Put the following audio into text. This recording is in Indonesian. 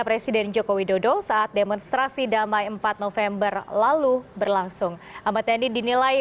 presiden joko widodo saat demonstrasi damai empat november lalu berlangsung ahmad dhani dinilai